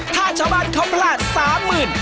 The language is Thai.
ถ้าชาวบ้านเข้าพลาดสามหมื่น